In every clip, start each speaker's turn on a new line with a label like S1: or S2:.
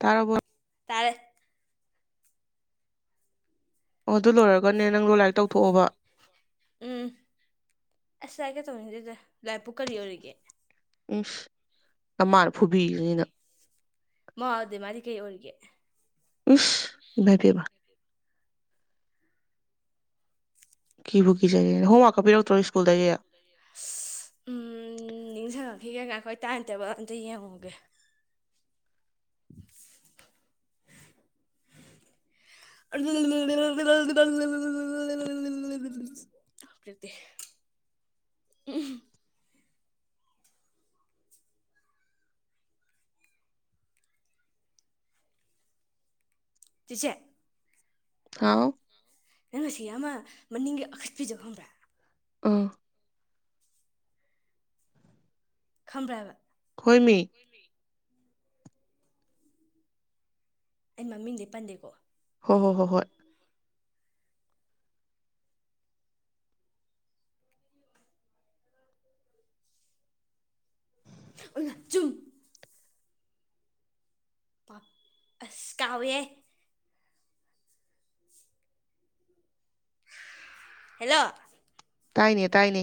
S1: ꯇꯥꯔꯕꯣ
S2: ꯇꯥꯔꯦ
S1: ꯑꯣ ꯑꯗꯨ ꯂꯣꯏꯔꯒꯅꯦ ꯅꯪꯗꯣ ꯂꯥꯏꯔꯤꯛ ꯇꯧꯊꯣꯛꯑꯣꯕ
S2: ꯎꯝ ꯑꯁ ꯂꯥꯏꯔꯤꯛꯀ ꯇꯧꯅꯤꯡꯗꯦꯗ ꯂꯥꯏꯔꯤꯛꯄꯨ ꯀꯔꯤ ꯑꯣꯏꯔꯤꯒꯦ
S1: ꯎꯁ ꯅꯃꯥꯅ ꯐꯨꯕꯤꯖꯅꯤ ꯅꯪ
S2: ꯃ ꯑꯗ ꯃꯥꯗꯤ ꯀꯩ ꯑꯣꯏꯔꯤꯒꯦ
S1: ꯎꯁ ꯏꯃꯥꯏ ꯄꯦꯝꯃ ꯀꯤꯕꯨꯨ ꯀꯤꯖꯩꯌꯦ ꯍꯣꯝ ꯋꯥꯀꯔꯀ ꯄꯤꯔꯛ
S2: ꯏꯁ ꯎꯝ ꯅꯤꯡꯖꯡꯉꯛꯈꯤꯒꯦ ꯉꯥꯏ ꯍꯣꯏ ꯇꯥꯏꯝ ꯇꯦꯕꯜ ꯑꯝꯇ ꯌꯦꯡꯉꯨꯒꯦ [unintelligible] [unintelligible] ꯆꯤꯆꯦ
S1: ꯍꯥꯎ
S2: ꯅꯪ ꯉꯁꯤ ꯑꯃ ꯃꯅꯤꯡꯒꯤ ꯑꯈꯠꯄꯤꯗꯣ ꯈꯪꯕ꯭ꯔꯥ
S1: ꯎꯝ
S2: ꯈꯪꯕ꯭ꯔꯥꯕ
S1: ꯍꯣꯏꯃꯤ
S2: ꯑꯩ ꯃꯃꯤꯡꯗꯤ ꯄꯟꯗꯦꯀꯣ
S1: ꯍꯣꯏ ꯍꯣꯏ ꯍꯣꯏ ꯍꯣꯏ
S2: ꯑꯣꯏꯃꯥ ꯆꯨꯝ ꯄꯥꯞ ꯑꯁ ꯀꯥꯎꯋꯦꯍꯦ [unintelligible] ꯍꯦꯜꯂꯣ
S1: ꯇꯥꯏꯅꯦ ꯇꯥꯏꯅꯦ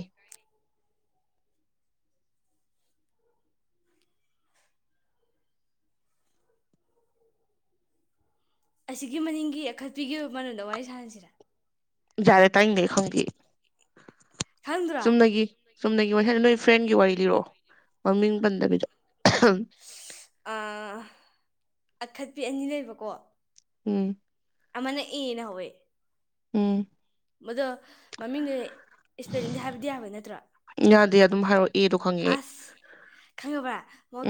S2: ꯑꯁꯤꯒꯤ ꯃꯅꯤꯡꯒꯤ ꯑꯈꯠꯄꯤꯒꯤ ꯑꯣꯏꯕ ꯃꯔꯝꯗ ꯋꯥꯔꯤ ꯁꯥꯟꯅꯁꯤꯔꯥ
S1: ꯌꯥꯔꯦ ꯇꯥꯅꯤꯡꯗꯦ ꯑꯩ ꯈꯪꯗꯦ ꯑꯩ
S2: ꯈꯪꯗ꯭ꯔꯣ
S1: ꯆꯨꯝꯅꯒꯤ ꯆꯨꯝꯅꯒꯤ ꯋꯥ ꯁ ꯅꯣꯏ ꯐ꯭ꯔꯦꯟꯒꯤ ꯋꯥꯔꯤ ꯂꯤꯔꯛꯑꯣ ꯃꯃꯤꯡ ꯄꯟꯗꯕꯤꯗ
S2: ꯁꯤ ꯑꯥ ꯑꯈꯠꯄꯤ ꯑꯅꯤ ꯂꯩꯕꯀꯣ
S1: ꯎꯝ
S2: ꯑꯃꯅ ꯑꯦꯅ ꯍꯧꯋꯦ
S1: ꯎꯝ
S2: ꯃꯗꯣ ꯃꯃꯤꯡꯗꯨ ꯏꯁꯄꯦꯂꯤꯡꯗꯤ ꯍꯥꯏꯕ ꯌꯥꯕ ꯅꯠꯇ꯭ꯔꯣ
S1: ꯌꯥꯗꯦ ꯑꯗꯨꯝ ꯍꯥꯏꯔꯛꯑꯣ ꯑꯦꯗꯣ ꯈꯪꯉꯦ ꯑꯩ
S2: ꯑꯁ ꯈꯪꯉꯕ꯭ꯔꯥ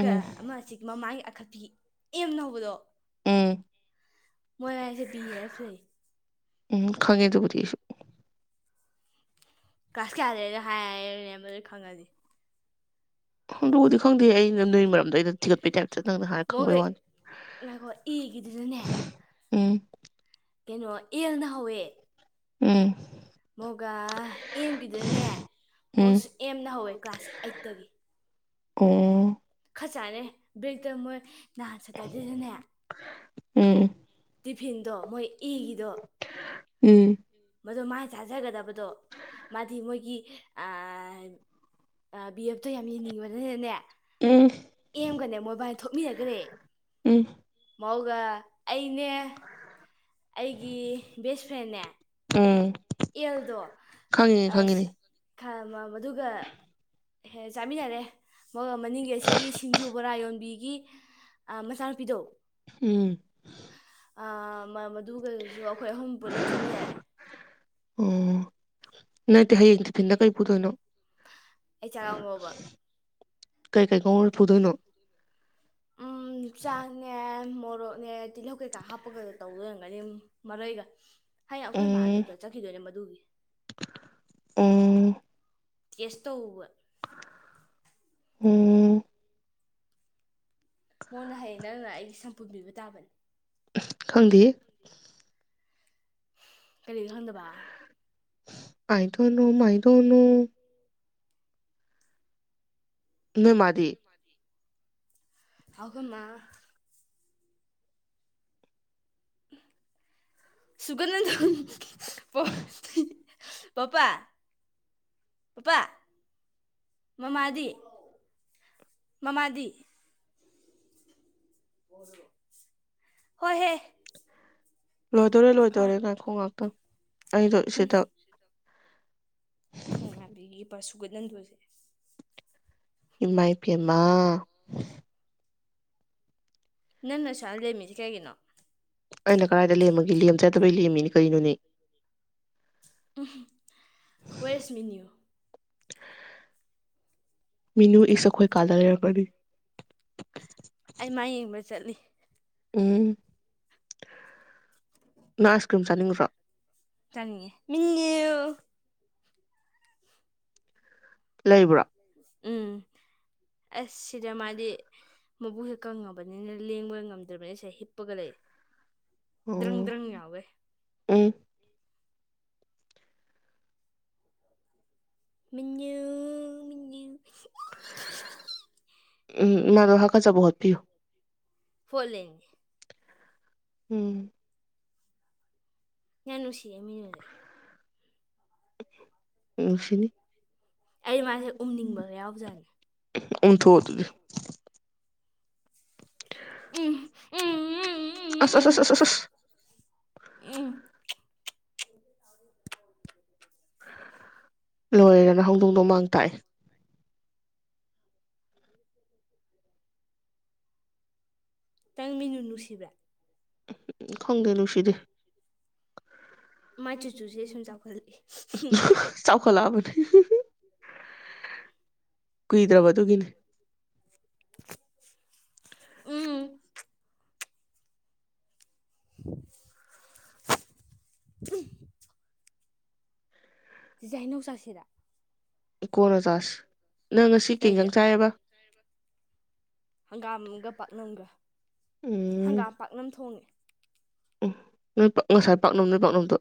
S1: ꯎꯝ
S2: ꯑꯃ ꯑꯁꯤ ꯃꯃꯥꯡꯒꯤ ꯑꯈꯠ ꯄꯤ ꯑꯦꯝꯅ ꯍꯧꯕꯗꯣ
S1: ꯎꯝ
S2: ꯃꯣꯏ ꯑꯅꯤꯁꯦ ꯕꯤ ꯑꯦꯐ ꯂꯩ
S1: ꯎꯝ ꯍꯝ ꯈꯪꯉꯦ ꯑꯗꯨꯕꯨꯗꯤ ꯑꯩꯁꯨ
S2: ꯀ꯭ꯂꯥꯁ ꯀꯌꯥꯗꯩꯅꯣ ꯍꯥꯏ꯬꯬꯬꯬ꯌꯨꯅꯦ ꯃꯗꯨ ꯈꯪꯉꯗꯤ
S1: ꯑꯗꯨꯕꯨꯗꯤ ꯈꯪꯗꯦ ꯑꯩꯅ ꯅꯣꯢ ꯃꯔꯝꯗ ꯑꯩꯅ ꯊꯤꯒꯠꯄꯩ ꯇꯥꯢꯞꯇ ꯇ ꯅꯪꯅ ꯍꯥꯏꯔ ꯈꯪꯕꯩ
S2: ꯃꯣꯏꯒ
S1: ꯋꯥꯅꯤ
S2: ꯉꯥꯏꯈꯣ ꯑꯦꯒꯤꯗꯨꯅꯅꯦ
S1: ꯍꯝ ꯎꯝ
S2: ꯀꯩꯅꯣ ꯑꯦꯜꯅ ꯍꯧꯋꯦ
S1: ꯎꯝ
S2: ꯃꯣꯒ ꯑꯦꯝꯒꯤꯗꯨꯅꯅꯦ
S1: ꯎꯝ
S2: ꯃꯣꯁꯨ ꯑꯦꯝꯅ ꯍꯧꯋꯦ ꯀ꯭ꯂꯥꯁ ꯑꯩꯠꯇꯒꯤ
S1: ꯎꯝ
S2: ꯐꯠꯖꯅꯦ ꯕ꯭ꯔꯦꯛꯇ ꯃꯣꯏ ꯅꯍꯥꯟ ꯁꯇꯔꯗꯦꯗꯅꯦ
S1: ꯎꯝ
S2: ꯇꯤꯐꯤꯟꯗꯣ ꯃꯣꯏ ꯏꯒꯤꯗꯣ
S1: ꯎꯝ
S2: ꯃꯗꯣ ꯃꯥꯅ ꯆꯥꯖꯒꯗꯕꯗꯣ ꯃꯥꯗꯤ ꯃꯣꯏꯒꯤ ꯑꯥ ꯑꯥ ꯕꯤꯑꯦꯐꯇꯣ ꯌꯥꯝ ꯌꯦꯡꯅꯤꯡꯕꯅꯤꯅꯅꯦ ꯑꯦꯝꯒꯅꯦ ꯃꯣꯢꯕꯥꯟꯅꯤ ꯊꯣꯛꯃꯤꯟꯅꯒꯔꯦ
S1: ꯎꯝ
S2: ꯃꯧꯒ ꯑꯩꯅꯦ ꯑꯩꯒꯤ ꯕꯦꯁꯐ꯭ꯔꯦꯟꯅꯦ
S1: ꯎꯝ
S2: ꯑꯦꯜꯗꯣ
S1: ꯈꯪꯉꯤꯅꯦ
S2: ꯑꯁ
S1: ꯈꯪꯉꯤꯅꯦ
S2: ꯈ ꯃ ꯃꯗꯨꯒ ꯍꯦ ꯆꯥꯃꯤꯟꯅꯔꯦ ꯃꯥꯒ ꯃꯅꯤꯡꯒꯤ ꯑꯁꯤꯒꯤ ꯁꯤꯡꯖꯨ ꯕꯣꯔꯥ ꯌꯣꯟꯕꯤꯒꯤ ꯑꯥ ꯃꯆꯥ ꯅꯨꯄꯤꯗꯣ
S1: ꯎꯝ
S2: ꯑꯥ ꯃ ꯃ ꯑꯗꯨꯒꯁꯨ ꯑꯩꯈꯣꯏ ꯑꯍꯨꯝ ꯄꯨꯂꯞ ꯆꯥꯃꯤꯟꯅꯔꯦ
S1: ꯎꯝ ꯅꯠꯇꯦ ꯍꯌꯦꯡ ꯇꯤꯐꯤꯟꯗ ꯀꯔꯤ ꯄꯨꯗꯣꯏꯅꯣ
S2: ꯑꯩ ꯆꯥꯔꯝꯃꯣꯕ
S1: ꯀꯩ ꯀꯩ [unintelligible] ꯑꯣꯏꯔ ꯐꯨꯗꯣꯏꯅꯣ
S2: ꯎꯝ ꯆꯥꯉꯦ ꯃꯣꯔꯣꯛꯅꯦ ꯇꯤꯜꯍꯧ ꯀꯩꯀꯥ ꯍꯥꯞꯄꯒꯗ ꯇꯧꯂꯩꯔꯝꯒꯅꯤ ꯃꯔꯣꯏꯒ ꯍꯥꯏꯌꯦꯡ ꯑꯩꯈꯣꯏ ꯃꯥꯥ
S1: ꯎꯝ
S2: ꯗꯣꯛꯇꯔ ꯆꯠꯈꯤꯗꯣꯏꯅꯦ ꯃꯗꯨꯒꯤ
S1: ꯎꯝ
S2: ꯇꯦꯁ ꯇꯧꯔꯨꯕ
S1: ꯎꯝ
S2: ꯃꯣꯟꯅ ꯍꯌꯦꯡ ꯅꯪꯅ ꯑꯩꯒꯤ ꯁꯝꯄꯨꯟꯕꯤꯕ ꯇꯥꯕꯅꯦ
S1: ꯎꯐ ꯈꯪꯗꯦꯍꯦ
S2: ꯀꯔꯤꯗꯈꯪꯗꯕ
S1: ꯑꯥꯏꯗꯣꯅꯣ ꯃꯥꯏꯗꯣꯅꯣ ꯅꯣꯏ ꯃꯥꯗꯤ
S2: ꯑꯩꯈꯣꯏ ꯃꯥ ꯁꯨꯒꯠꯅꯟꯗ ꯄꯄꯥ ꯄꯄꯥ ꯃꯃꯥꯗꯤ ꯃꯃꯥꯗꯤ ꯍꯣꯏ ꯍꯦ
S1: ꯂꯣꯏꯗꯣꯔꯦ ꯂꯣꯏꯗꯣꯔꯦ ꯉꯥꯏꯈꯣ ꯉꯥꯛꯇꯡ ꯑꯩꯗꯣ ꯁꯤꯗ
S2: ꯊꯨ ꯃꯥꯟꯕꯤꯒꯤ ꯄꯁꯨꯒꯠ ꯅꯟꯗꯣꯁꯤꯗꯤ
S1: ꯏꯃꯥꯏ ꯄꯦꯝꯃꯥ
S2: ꯅꯪ ꯅ ꯑꯁꯨꯌꯥꯝ ꯂꯦꯃꯤꯗꯤ ꯀꯩꯒꯤꯅꯣ
S1: ꯑꯩꯅ ꯀꯗꯥꯏꯗ ꯂꯦꯝꯃꯒꯦ ꯂꯦꯝꯖꯗꯕꯩ ꯂꯦꯝꯃꯤꯅꯤ ꯀꯔꯤꯅꯣꯅꯦ
S2: ꯋꯦꯔ ꯏꯁ ꯃꯤꯅ꯭ꯌꯨ
S1: ꯃꯤꯅꯨ ꯏꯁ ꯑꯈꯣꯏ ꯀꯥꯗ ꯂꯩꯔꯝꯒꯅꯤ
S2: ꯑꯩ ꯃꯥ ꯌꯦꯡꯕ ꯆꯠꯂꯤ
S1: ꯎꯝ ꯅꯪ ꯑꯥꯏꯁ ꯀ꯭ꯔꯤꯝ ꯆꯥꯅꯤꯡꯉꯗ꯭ꯔꯣ
S2: ꯆꯅꯤꯡꯉꯦ
S1: ꯂꯩꯕ꯭ꯔꯣ
S2: ꯎꯝ ꯑꯁ ꯁꯤꯗ ꯃꯥꯗꯤ ꯃꯕꯨꯛꯁꯦ ꯀꯪꯉꯕꯅꯤꯅ ꯂꯦꯡꯕ ꯉꯝꯗ꯭ꯔꯕꯅꯤꯅꯁꯦ ꯍꯤꯞꯄꯒ ꯂꯩ ꯗ꯭ꯔꯪ
S1: ꯑꯣ
S2: ꯗ꯭ꯔꯪ ꯌꯥꯎꯒꯩ
S1: ꯎꯝ
S2: ꯃꯤꯅꯨ ꯃꯤꯅꯨ [unintelligible]
S1: ꯎꯝ ꯏꯃꯥꯗꯣ ꯍꯥꯒ ꯆꯕ ꯍꯣꯠꯄꯤꯌꯨ
S2: ꯍꯣꯠꯂꯤꯅꯦ
S1: ꯎꯝ
S2: ꯌꯥꯝ ꯅꯨꯡꯁꯤ [unintelligible]
S1: ꯅꯨꯡꯁꯤꯅꯤ
S2: ꯑꯩ ꯃꯥꯁꯦ ꯎꯝꯅꯤꯡꯕꯒ ꯌꯥꯎꯖꯥꯠꯅꯤ
S1: ꯎꯝꯊꯣꯛ ꯑꯗꯨꯗꯤ
S2: ꯎꯝ ꯎꯝ ꯎꯝ ꯎꯝ
S1: ꯑꯁ ꯑꯁ
S2: ꯎꯝ
S1: ꯑꯁ ꯑꯁ ꯑꯁ
S2: ꯎꯝ
S1: ꯂꯣꯏꯔꯦꯅ ꯍꯧꯗꯣꯡꯗꯣ ꯃꯥꯡ ꯇꯥꯛꯑꯦ
S2: ꯇꯪ ꯃꯤꯅꯨ ꯅꯨꯡꯁꯤꯕ꯭ꯔ
S1: ꯈꯪꯗꯦ ꯅꯨꯡꯁꯤꯗꯦ
S2: ꯃꯥꯏ ꯆꯨꯆꯨꯁꯦ ꯁꯨꯝ ꯆꯥꯎꯈꯠꯂꯛꯏ
S1: [unintelligible] ꯆꯥꯎ ꯈꯠꯂꯛꯑꯕꯅꯦ [inaudible] ꯀꯨꯏꯗ꯭ꯔꯕ ꯑꯗꯨꯒꯤꯅꯤ
S2: ꯎꯝ ꯎꯝ ꯆꯤꯆꯦ ꯍꯩꯅꯧ ꯆꯥꯥꯁꯤꯔꯥ
S1: ꯀꯣꯟꯅ ꯆꯥꯁꯤ ꯅꯪ ꯉꯁꯤ ꯀꯩ ꯖꯥꯡ
S2: ꯀꯩꯒꯤ
S1: ꯆꯥꯏꯌꯦꯕ
S2: ꯍꯪꯒꯥꯝꯒ ꯄꯥꯛꯅꯝꯒ ꯍꯪꯒꯥꯝ ꯄꯥꯛꯅꯝ ꯊꯣꯡꯉꯦ
S1: ꯅꯣꯢ ꯄꯥꯛ ꯃꯁꯥꯢ ꯄꯥꯛꯅꯝꯅꯦ ꯄꯥꯛꯅꯝꯗꯣ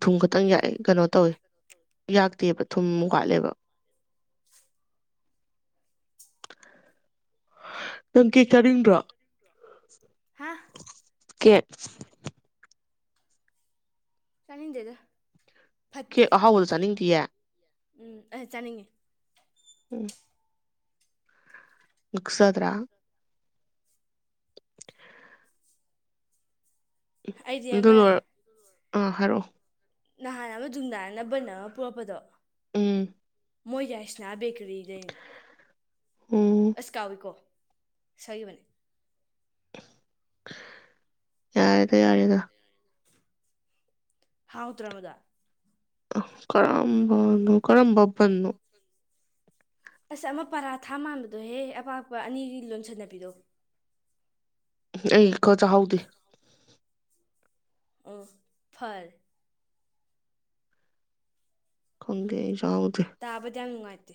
S1: ꯊꯨꯝ ꯈꯛꯇꯪ ꯌꯥꯛꯑꯦ ꯀꯩꯅꯣ ꯇꯧꯋꯦ ꯌꯥꯛꯇꯦꯕ ꯊꯨꯝ ꯋꯥꯠꯂꯦꯕ ꯅꯪ ꯀꯦꯛ ꯆꯥꯅꯤꯡꯗ꯭ꯔꯣ
S2: ꯍꯥ
S1: [inaudible] ꯀꯦꯛ
S2: ꯆꯅꯤꯡꯗꯦꯗ
S1: ꯀꯦꯛ ꯑꯍꯥꯎꯕꯗꯣ ꯆꯥꯅꯤꯡꯗꯤꯌꯦ
S2: ꯎꯝ ꯑꯥ ꯆꯥꯅꯤꯡꯉꯤ
S1: ꯎꯝ ꯉꯛꯆꯗ꯭ꯔ
S2: ꯑꯩꯗꯤ
S1: ꯑꯗꯨ ꯂꯣꯢꯔ ꯑꯥ ꯍꯥꯏꯔꯛꯑꯣ
S2: ꯅꯍꯥꯜ ꯑꯃ [unintelligible]
S1: ꯎꯝ
S2: ꯃꯣꯏ ꯌꯥꯢꯁ ꯌꯥ ꯕꯦꯀ꯭ꯔꯤꯗꯩꯅꯦ
S1: ꯎꯝ
S2: ꯑꯁ ꯀꯥꯎꯋꯤꯀꯣ ꯁꯩꯕꯅꯦ
S1: ꯌꯥꯔꯦꯗ ꯌꯥꯔꯦꯗ
S2: ꯍꯥꯎꯇ꯭ꯔꯃꯗꯣ
S1: ꯑꯥ ꯀꯔꯝꯕ ꯀꯔꯝꯕ ꯕꯟꯅꯣ
S2: ꯑꯁ ꯑꯃ ꯄꯔꯥꯊꯥ ꯃꯥꯟꯕꯗꯣꯍꯦ ꯑꯄꯥꯛꯄ ꯑꯅꯤꯒꯤ ꯂꯣꯟꯁꯟꯅꯕꯤꯗꯣ
S1: ꯑꯩ ꯀ ꯆꯥꯍꯧꯗꯦ
S2: ꯑꯣ ꯐꯔꯦ
S1: ꯈꯣꯡꯒꯦ ꯑꯩꯁꯨ
S2: ꯇꯥꯕꯗꯤ ꯌꯥꯝ ꯅꯨꯡꯉꯥꯏꯇꯦ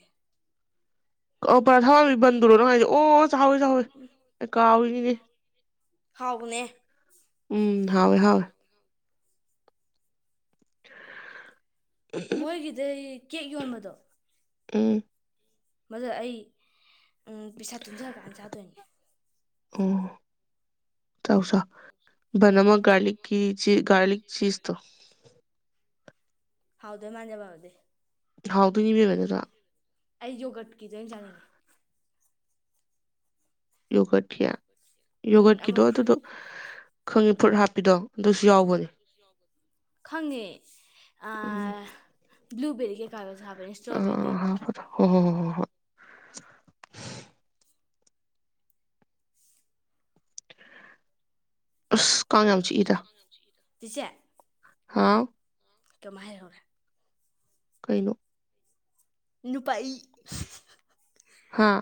S1: ꯀꯞ ꯄꯔꯥꯊꯥ ꯃꯥꯟꯕꯤ ꯕꯟꯗꯨꯔꯣ ꯅꯪ ꯍꯥꯢꯁꯦ ꯑꯣ ꯆꯥꯍꯧꯋꯤ ꯆꯥꯍꯧꯋꯤ ꯑꯩ ꯀꯥꯎꯏꯍꯦ ꯏ
S2: ꯍꯥꯎꯕꯅꯦ
S1: ꯎꯝ ꯍꯥꯎꯋꯦ ꯍꯥꯎꯋꯦ
S2: ꯃꯣꯏꯒꯤꯗꯩ ꯀꯦꯛ ꯌꯣꯟꯕꯗꯣ
S1: ꯑꯝ
S2: ꯃꯗꯨ ꯑꯩ ꯎꯝ ꯄꯩꯁꯥ ꯇꯨꯡꯖꯜꯂ ꯀꯥꯟ ꯆꯥꯗꯣꯏꯅꯦ
S1: ꯑꯣ ꯆꯥꯎ ꯆꯥꯎ ꯕꯟ ꯑꯃ ꯒꯥꯔꯂꯤꯛꯀꯤ ꯆꯤ ꯒꯥꯔꯂꯤꯛ ꯆꯤꯖ ꯇꯣ
S2: ꯍꯥꯎꯗꯣꯏ ꯃꯥꯟꯗꯦ ꯕꯥꯎꯗꯨꯗꯤ
S1: ꯍꯥꯎꯗꯣꯏꯅꯤ ꯕꯦꯝꯕ ꯑꯗꯨꯅ
S2: ꯑꯩ ꯌꯣꯒ꯭ꯔꯠ ꯀꯤꯗꯣꯢ ꯆꯥꯅꯤꯡꯉꯦ
S1: ꯌꯣꯒ꯭ꯔꯠꯀꯤꯔ
S2: ꯎꯝ ꯑꯃ
S1: ꯌꯣꯒ꯭ꯔꯠꯀꯤꯗꯣ
S2: ꯐ꯭ꯔꯨꯏꯠ
S1: ꯑꯗꯨꯗꯣ ꯈꯪꯉꯤ ꯐꯨꯔꯠ ꯍꯥꯞꯄꯤꯗꯣ ꯑꯗꯨꯁꯨ ꯌꯥꯎꯕꯅꯦ
S2: ꯈꯪꯉꯦ
S1: ꯎꯝ
S2: ꯑꯥ ꯕꯂꯨꯕꯦꯔꯤ ꯀꯩꯀꯥꯒꯁꯨ ꯍꯥꯞꯄꯅꯤ ꯏꯁꯇ꯭ꯔꯣꯕꯦꯔꯤ
S1: ꯍꯣ ꯍꯣ ꯍꯣ ꯍꯣꯢ ꯑꯁ ꯀꯥꯡ ꯌꯥꯝ ꯆꯤꯛꯢꯗ
S2: ꯆꯤꯆꯦ
S1: ꯍꯥꯥꯎ
S2: ꯀꯃꯥꯏ ꯍꯥꯏꯍꯧꯔꯦ
S1: ꯀꯩꯩꯅꯣ
S2: ꯅꯨꯄꯥꯥꯏ
S1: ꯍꯥꯥ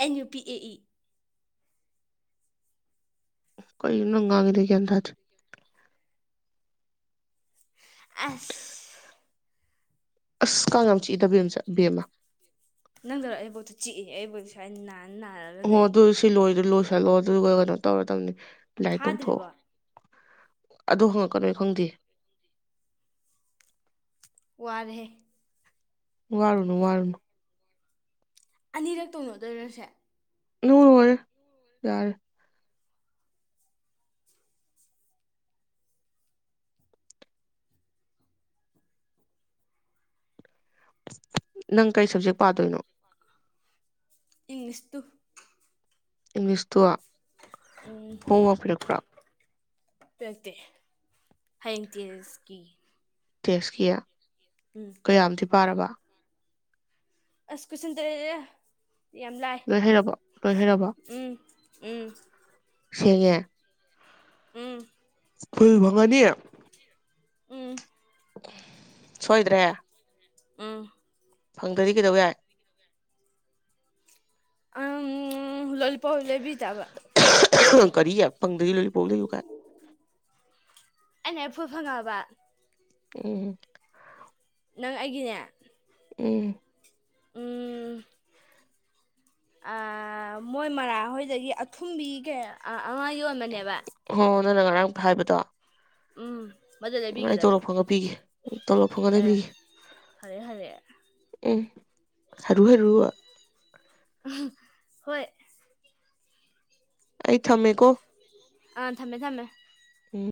S2: ꯑꯩꯩ ꯅꯨ ꯄꯤ ꯑꯦ ꯏ
S1: ꯀꯩꯟ ꯅꯪ ꯉꯥꯡꯉꯤꯗꯣ ꯑꯩ ꯒ꯭ꯌꯥꯟ ꯇꯥꯗ꯭ꯔꯦ
S2: ꯑꯁ
S1: ꯑꯁ ꯀꯥꯡ ꯌꯥꯝ ꯆꯤꯛꯏꯗ ꯕꯦꯝꯆ ꯕꯦꯝꯃꯥ
S2: ꯅꯪꯗꯔꯣ ꯑꯩꯕꯧꯗ ꯆꯤꯛꯏ ꯑꯩꯕꯧꯗ ꯁꯨꯃꯥꯢꯟ ꯅꯥꯟ
S1: ꯑꯣ ꯑꯗꯨ ꯁꯤ ꯂꯣꯏꯔ ꯂꯣꯏ ꯁꯜꯂꯣ ꯑꯗꯨꯒ ꯀꯩꯅꯣ ꯇꯧꯔꯗꯕꯅꯤ ꯂꯥꯢꯔꯤꯛ ꯇꯧꯊꯣꯛꯑꯣ
S2: ꯐꯥꯗ꯭ꯔꯤꯕꯣ
S1: ꯑꯗꯨ ꯍꯪꯉꯛꯀꯅꯣ ꯑꯩ ꯈꯪꯗꯦ
S2: ꯋꯥꯔꯦꯍꯦ
S1: ꯋꯥꯔꯨꯅꯨ ꯋꯥꯔꯨꯅꯨ
S2: ꯑꯅꯤꯔꯛ ꯇꯧꯅꯗꯣꯏꯔꯣ ꯁꯦ
S1: ꯅꯣ ꯂꯣꯏꯔꯦ ꯌꯥꯔꯦ ꯅꯪ ꯀꯩ ꯁꯕꯖꯦꯛ ꯄꯥꯗꯣꯏꯅꯣ
S2: ꯏꯪꯂꯤꯁ ꯇꯨ
S1: ꯏꯪꯂꯤꯁꯇꯨ
S2: ꯎꯝ
S1: ꯍꯣꯝꯋꯔꯛ ꯄꯤꯔꯛꯄ꯭ꯔꯣ
S2: ꯄꯤꯔꯛꯇꯦ ꯍꯌꯦꯡ ꯇꯦꯁꯀꯤ
S1: ꯇꯦꯁ ꯀꯌꯥ
S2: ꯎꯝ
S1: ꯀꯌꯥꯝꯗꯤ ꯄꯥꯔꯕ
S2: ꯑꯁ ꯀꯣꯏꯁꯟ ꯇꯔꯦꯠꯅꯤꯗ
S1: ꯂꯣꯏ ꯍꯩꯔꯕꯣ ꯂꯣꯏ ꯍꯩꯔꯕꯣ
S2: ꯎꯝ ꯎꯝ
S1: ꯁꯦꯡꯉꯦ
S2: ꯎꯝ
S1: ꯐꯨꯜ ꯐꯉꯅꯤ
S2: ꯎꯝ
S1: ꯁꯣꯏꯗ꯭ꯔꯦ
S2: ꯑꯨꯝ
S1: ꯐꯪꯗ꯭ꯔꯗꯤ ꯀꯩꯗꯧ ꯌꯥꯏ
S2: ꯑꯝꯝ
S1: ꯀꯔꯤ ꯐꯪꯗꯕꯩ ꯂꯣꯜꯂꯤꯄꯣꯞ ꯂꯩꯌꯨ ꯀꯥꯏꯟ
S2: ꯑꯩꯅꯍꯦꯛ ꯐꯨꯜ ꯐꯪꯉꯛ ꯑꯕ
S1: ꯎꯝ
S2: ꯅꯪ ꯑꯩꯒꯤꯅꯦ
S1: ꯎꯝ
S2: ꯎꯝ ꯑ ꯃꯣꯏ ꯃꯔꯥꯍꯣꯏꯗꯒꯤ ꯑꯊꯨꯝꯕꯤ ꯀꯌꯥ ꯑꯃ ꯌꯣꯟꯕꯅꯦꯕ
S1: ꯍꯣ ꯅꯪꯅ ꯉꯔꯥꯡ ꯐꯥꯏꯕꯗꯣ
S2: ꯎꯝ ꯃꯗꯨ
S1: ꯎꯝ ꯑꯩ
S2: ꯂꯩꯕꯤꯒꯗꯕꯅꯤ
S1: ꯇꯣꯂꯣꯞ ꯐꯪꯒ ꯄꯤꯒꯦ ꯇꯣꯂꯣꯞ ꯐꯪꯉ
S2: ꯑꯦ
S1: ꯂꯩꯕꯤꯒꯦ
S2: ꯐꯔꯦ ꯐꯔꯦ
S1: ꯑꯨꯡ ꯍꯔꯨ ꯍꯔꯨ
S2: ꯎꯝ ꯍꯣꯏ
S1: ꯑꯩ ꯊꯃꯦꯀꯣ
S2: ꯑꯥ ꯊꯝꯃꯦ ꯊꯝꯃꯦ
S1: ꯑꯨꯡ